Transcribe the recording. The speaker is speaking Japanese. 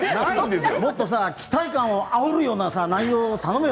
もっと期待感をあおるようなコメント頼むよ。